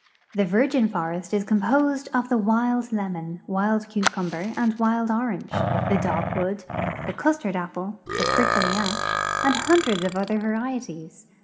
'I'he virgin forest is composed of the wild lemon, wild cucumber, and wild orange, the dogwood, the custard a)iple, the prickly ash, and hundreds of other varieties.